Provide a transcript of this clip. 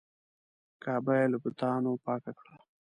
کعبه یې له بتانو پاکه کړه.